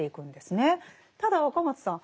ただ若松さん